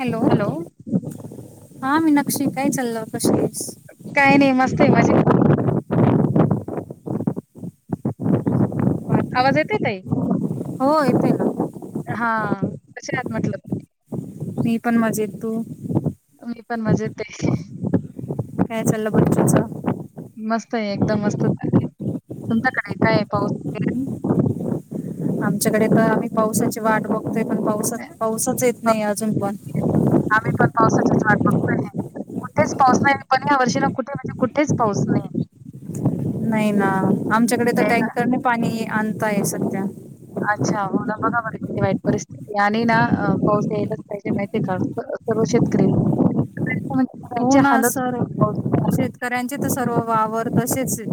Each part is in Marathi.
हॅलो, हा मीनाक्षी काय चाललं कशी आहेस काय नाही मस्तय मजेत स्वाती आवाज येतोय ताई हो येतोय ना. हा, कशा आहेत म्हटल. मी पण मजेत, तू? मी पण मजेते चाल्ल बच्चू चा. मस्तये एकदम मस्त चालय, तुमच्याकडे काय पाऊस वगैरे आहे आमच्याकडे त आम्ही पावसाची वाट बघ ते पण पाऊसच, पाऊसच येत नाहीये अजून पण. आम्ही पण [unintelligible] कुठेच पाऊस नाही, पण या वर्षी ना कुठे म्हणजे कुठेच पाऊस नाही. नाही ना, आमच्याकडे तर यायला टँकरने पाणी आणताय सध्या. अच्छा, हो ना बघा बर कीती वाईट परिस्थितीये, आणि ना पाऊस यायलाच पाहिजे माहितीय का? सर्व शेतकरी [inaudible] हो ना, हालत सर पावसाळा शेतकऱ्यांचे त सर्व वावर तसेचे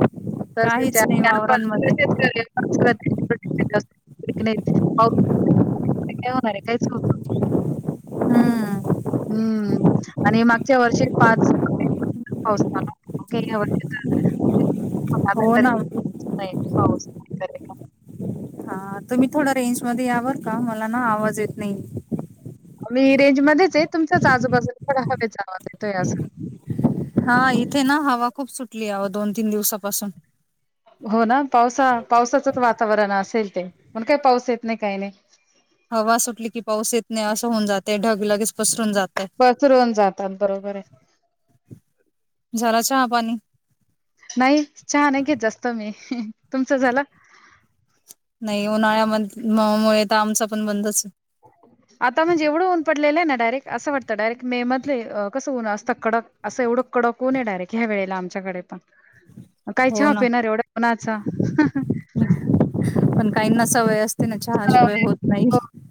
तसेचे [unintelligible] नाही [unintelligible] काय होणारे काईच होत नाही. हम्म हम्म, आणि मागच्या वर्षी पाच मे पासून पाऊस चालू होता. [unintelligible] यावर्षीत [unintelligible] हो ना. [unintelligible] हा, तुम्ही थोडा रेंज मध्ये या बर का, मला ना आवाज येत नाही. मी रेंज मध्येचे तुमचाच आजूबाजूला थोडा हवेचा आवाज येतोय असा हा इथे ना हवा खूप सुटलीय अव दोन तीन दिवसा हो ना. पावसा पावसाचंच वातावरण असेल ते, पण काही पाऊस येत नाय काय नाय. हवा सुटली की पाऊस येत नाही, असं होऊन जातेय ढग लगेच पसरून जात पसरवून जातात बरोबरे. झाला चहा पाणी तुमच झाला. नाही उन्हाळ्यामध्य नामुळे आता म्हणजे एवढं ऊन पडलेलंय ना डायरेक्ट असं वाटतं डायरेक्ट मे मधले कसं उण असतं कडक, असं एवढं कडक उणे डायरेक्ट ह्या वेळेला आमच्याकडे. काही हो चहा ना पिणार एवढ्या उणाचा. पण काहींना सवय असत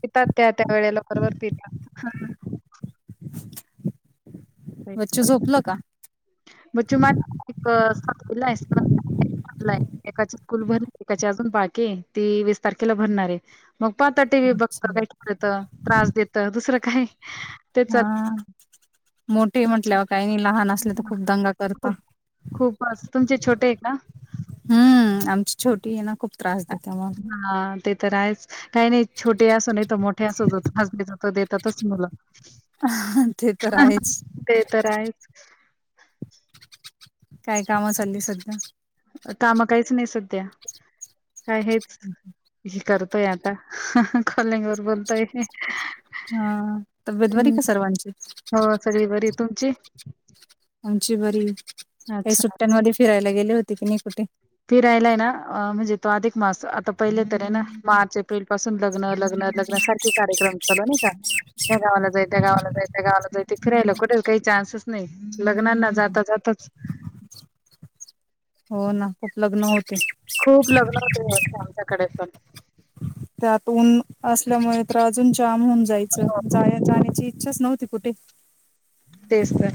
पीतात त्या त्या वेळेला बरोबर पीता. तेच बच्चू तर झोपलं का बच्चू मझा एक सातवीलाय, सात एकाची स्कूल भरली एकाची अजून बाकीेये, ती वीस तारखेला भरणारे. मग पात टी व्ही बघत अच्छा काही खेळत, त्रास देतं दुसरं काय? ते चाल हा, मोठे म्हटल्यावर काही नाही लहान असले तर खूप दंगा करता खूपच तुमचे छोटय का? हम्म, आमची छोटीय ना खूप त्रास देते मग हां, ते तर आहेच. काही नाही, छोटे असो, नाहीतर मोठे असो, जो त्रास द्यायचा तो देतातच मुलं. ते तर ह, आहेच ते तर आहेच. काय काम चालली सध्या काम काहीच नाही सध्या काय हेच करतोय आता कॉलिंग वर बोलतोय हा तब्येत बरी हं, का सर्वांची हो सगळी बरी. तुमची आमची बरी ये, काही अच्छा. सुट्ट्यांमध्ये फिरायला गेले होते की नाही कुठे? फिरायलाय ना म्हणजे तो अधिक मास आता पहिले तर हे ना मार्च एप्रिल पासून लग्न लग्न लग्न सारखे कार्यक्रम चालू ना त्या गावाला जाय त्या गावा जाय गावाला जाय फिरायला कुठे काही चान्स नाही लग्ना आता जाताच हो ना खूप लग्न होते खूप लग्न होते यावर्षी आमच्याकडे पण. त्यात [inaudible] ऊन असल्यामुळे तर अजून जाम होऊन जायचं जा जाण्याची इच्छाच नवती कुटे तेच तर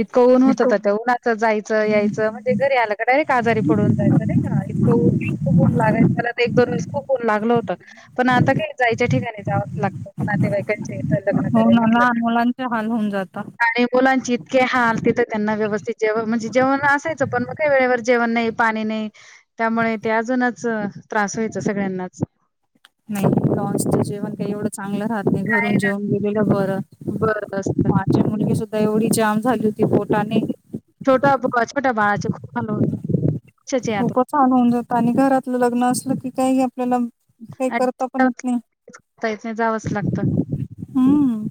इतकं ऊन होतं हो तर उन्हाचं जायचं यायचं म्हणजे घरी आलं डायरेक्ट आजारी पडवून जायचं नाहीका. खूप ऊन लागाय एक दोन व खूप ऊन लागल होत पण आता काय जाय ठिकाणी जावं लागत नातेवाईकांच्या हि हो मला मुलांचा हाल होऊन जात आणि मुलांची इतके हाल तिथं त्यांना व्यवस्थित जेवण म्हणजे जेवण असायचं पण मग काही वेळेवर जेवण नाही पाणी नाही त्यामुळे ते अजूनच त्रास व्हायचा सगळ्यांनाच नाही लॉन्च च जेवण काही एवढं चांगलं राहत नाही काय घरून जेवन गेलेलं बरं. माझी [unintelligible] मुलगी सुद्धा एवढी जाम झाली होती पोटाने [inaudible] खूपच हाल होऊन जातं आणि घरातलं लग्न असलं की काय [unintelligible] जावंच लागत हम्म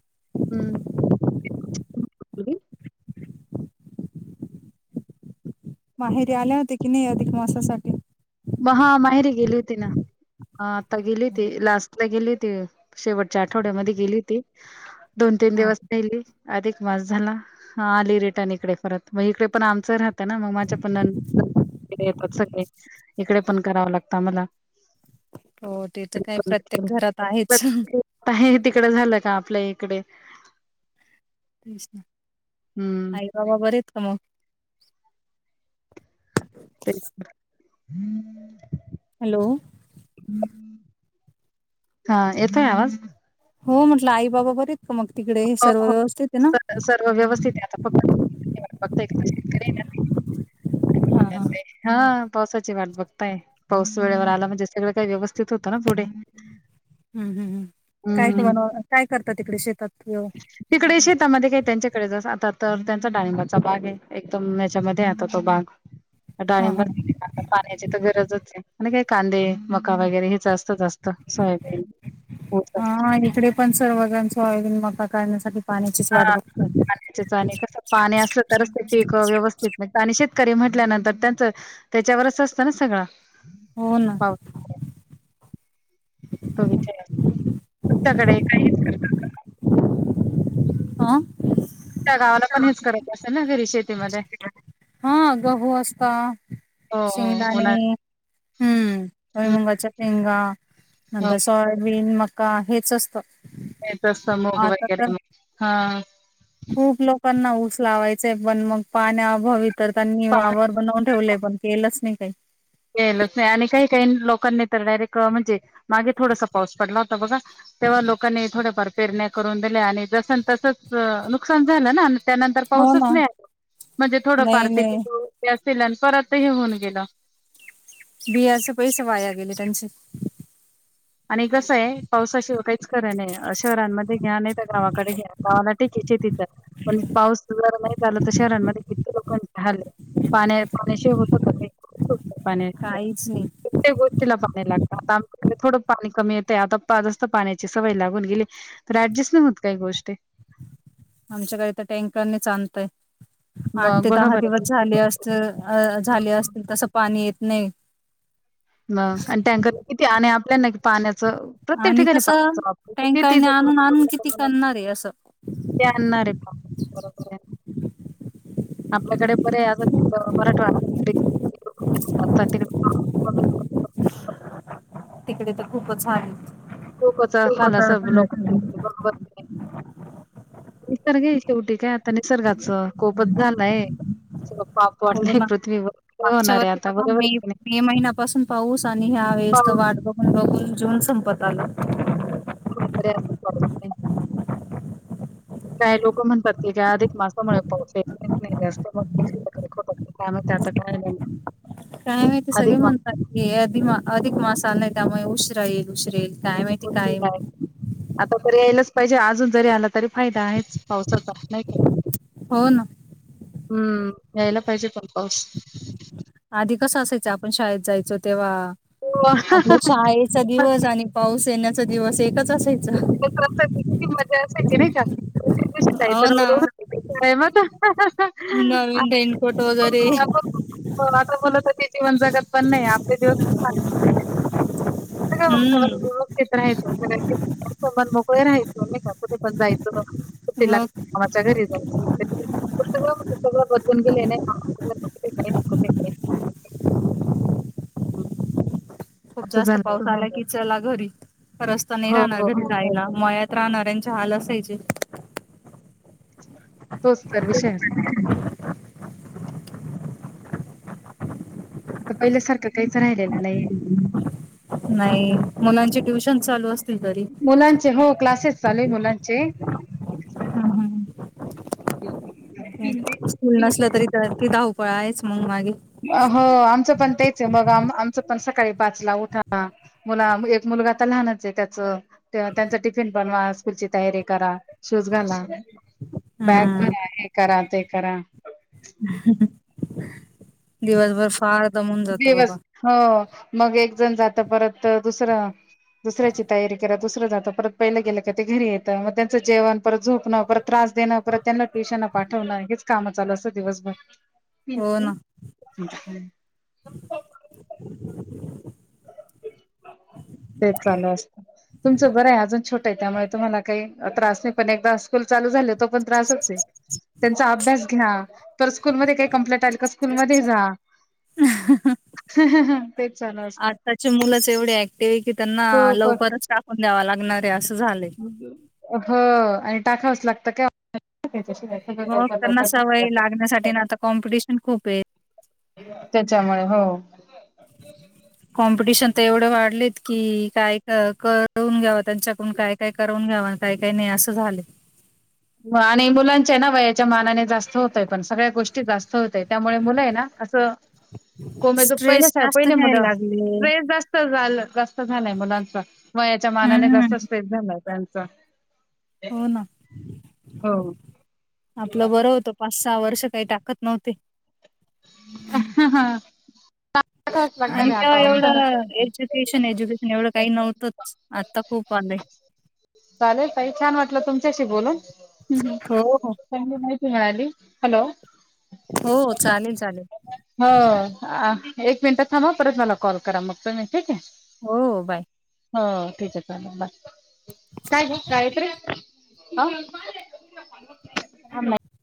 हम्म [unintelligible] माहेरी आल्या होत्या की नाही अधिक मासासाठी? म हा माहेरी गेली होती ना. हा आता गेली त लास्टला गेली होती शेवटच्या आठवड्यामध्ये गेली होती दोन तीन हा दिवस राहिली. अधिक मास झाला आली रेटन इकडे परत मग इकडे पण आमचं राहतं ना मग माझ्या पण नंद येतात सगळे इकडे पण कराव लागतं आम्हाला हो ते तर काय प्रत्येक घरात आहेच आहे तिकड झालं का [unintelligible] आपल्या इकडे तेच ना हम्म. आई बाबा बर आहेत का मग? [unintelligible] हॅलो हा येतोय आवाज? हो म्हटलं आई बाबा बर आहेत का मग तिकडे हो सर्व हो. व्यवस्थित आहे ना सर्व सर्व व्यवस्थित आहे आता फक्त [unintelligible] हं हा हा [unintelligible] पावसाची वाट बघताय पाऊस वेळेवर आला म्हणजे सगळं काही व्यवस्थित होतं ना पुढे हम् हम् हम्म कायबन काय करतात तिकडे शेतात? व्यव तिकडे शेतामध्ये काही त्यांच्याकडेच आता तर त्यांचा डाळिंबाचा बाग आहे एकदम ह्याच्यामध्ये आता तो बाग. हा डाळिंब पाण्याची तर गरजच आहे आणि काही कांदे मका वगैरे हे असत हा इकडे पण सर्वजण सोयाबीन मका काढण्यासाठी पाण्याचीच वाट हा बघतात पाण्या आणि कस पाणी असलं तरच ते पीक व्यवस्थित निघत आणि शे शेतकरी म्हटल्यानंतर त्यांचं त्याच्यावरच असतं ना सगळं हो ना [inaudible] आा त्या गावाला पण हेच करत असेल ना घरी शेतीमध्ये हा गहू असता हो हो होणार शिंगदाणे हम्म भुई हं, मुंगाच्या शे शेंगा हो नंतर सोयाबीन, मका हेच असतं ते तस मुग आता तर वगैरे हा खूप लोकांना ऊस लावायचय पण मग पाण्या अभावी तर त्यांनी पाणी वावर बनवून ठेवलय पण केलंच नाही काही केलच नाही आणि काही काही लोकांनी तर डायरेक्ट म्हणजे मागे थोडासा पाऊस पडला होता बघा तेव्हा लोकांनी थोड्याफार पेरण्या करून दिल्या आणि जस तसंच नुकसान झालं ना त्यानंतर हो पाऊसच ना नाही आ म्हणजे थोडं फार नाही [inaudible] नाही आणि परत हे होऊन गेलं बियाच पैसे वाया गेले त्यांचे आणि कसं आहे पावसाशिवाय काहीच करा नाही शहरांमध्ये घ्या नाही तर गावाकडे घ्या गावाला [inaudible] तिथे पण पाऊस जरा नाही झालं तर शहरांमध्ये किती लोकाच हाल झाले पाण्या पाण्याशि होत का पाण्या काहीच नाही. प्रत्येक गोष्टीला पाणी लागत आता आमच्या कड थोडं पाणी कमी येतं आता जास्त पाण्याची सवय लागून गेली तर राज्यच न होत काही गोष्टी [inaudible] आमच्याकडे तर टँकरनी आणतय आठ मग ते बघा दहा बरं दिवस किती झाले भेटते. असतील हं, झाले हं. असतील तसं पाणी येत नाही आणि टँकर किती आणि आपल्या ना क पाण्या प्रत्येक आणि ठिकाणी कसं [inaudible] टँकरने आणून आणून किती करणार आहे असं. ते आणणार आहे आपल्याकडे बरे आ मराठवा तिकडे करत तिकडे तर खूपच हाल लोकच खूप हाल अस कंटाळा आलाय लोकांच त्यांना. बघवत नाही शेवटी काय आता निसर्गाचं कोपच झालंय हो ना काय मागच्या होणार आहे वर्षी आता ब बरोबर आहे मे की नाही? मे महिन्यापासून पाऊस आणि ह वेस तर पाऊस वाट बं पण बघून जून संपत आल [unintelligible] काय लोक म्हणतात की का अधिक मासामुळे नाही जास्तय त्यात काय काय माहिती सगळे अधिक मास म्हणतात अधिक मा अधिक मास त्यामुळे उशरा येईल उशरा येईल काय माहिती काय आता तर यायलाच पाहिजे अजून जरी आला तरी फायदा आहेच पावसाचा नाही का होन हम्म यायला पाहिजे पण पाऊस आधी कसं असायचं आपण शाळेत जायचो तेव्हा हो. आपल्या शाळेचा दिवस आणि पाऊस येण्याचा दिवस एकच असायचा जाची नाही जा काही हो तर ना आहे म नवीन रेनकोट वगैरे आता बलात ते जीवन जगत पण नाही आपले दिवस ख हम्म व्यवस्थेत राहाचं य राहायच नाही काुठे पण जायचं सुट्टी मग लागली मामाच्या घरी जायची सग सगळं बदलून गेले नाही बय ब बय हो खूप जास्त पाऊस आला किचला घरी रस्ता नाही हो, राहणार हो, घरी हो. जायला मयात राहणाऱ्यांचे हाल असायचे तोचत विषय आता पहिल्यासारखं काहीच राहिलेलं नाही नाही मुलांचे ट्युशन चालू असते मुलांचे हो क्लासेस चालेूय मुलांचे हम्म, हम्म. स्कूल नसल तरी तर ति धाऊ पळा आहेच मग मागे हो आमच पण त्यायच मग आमच पण सकाळी वाचला उठा मुला एक मुलगा आता लहानच आहे त्याच त्यांच टिफिन बनवा स्कूलची तयारी करा शूज घाला बॅग पण हम्म हे करा ते करा दिवसभर फार दमून जातं दिवस बाबा हो मग एक जण जात परत दुसरं दुसऱ्याची तयारी करा दुसरं जात परत पहिलं गेलं का ते घरी येतं मग त्यांचं जेवण परत झोपणं परत त्रास ण परत त्यांना ट्युशन पाठवणं हेच काम चाल असं दिवसभर हो ना प ह तेच चालू असत तुमचं बरं आहे अजून छोटं आहे त्यामुळे तुम्हाला काही त्रास नाही पण एकदा स्कूल चालू झाले त्रच त्यांचा अभ्यास घ्या तर स्कूल म काही कंप्लेट आल स्कूल म जा तेच चाल असत त्याची मुलंच एवढी ऍक्टिव आहे की त्यांना खूप लवकरच टाकून द्यावा लागणार आहे अस हो आणि टाकावच लागतं काय वक त्यांना सवय लागण्यासाठी ना आता कॉम्पिटिशन खूप आहे त्याच्यामुळे हो कम किटिशन तर एवढे वाढलेत की काय करून घ्याव त्यांच्याकडून काय काय करून घ्याव काय काही नाही असं झालं आणि मुलांच्या ना व याच्या मानाने जास्त होतय पण सगळ्या गोष्टी जास्त होतय त्यामुळे मुलं आहे ना असं कोमेच पहिल्या स्ट्रेस सा जास्त पहिले घ्यायला लागले मुलं्रेस जास्त झा जास्त झालंय मुलांच वयाच्या मानाने हम्म जास्त सेस झालाय त्यांच हो ना आपलं बरं होत पा सहा वर्ष काही टाकत नव्हते ह हा आणि तेव्हा एवढं नाही एज्युकेशन एज्युकेशन एवढं काही नव्हतंच आता खूप प नाही चालेल काही छान वाटलं तुमच्याशी बोलून हो, हो. चांगली माहिती मिळाली हॅलो हो चालेल चालेल. हो एक मिनटात थांबा परत मला कॉल करा मग त मी ठीक आहे हो बाय हो ठीक आहे चालेल बा काय कायेत रे ह आला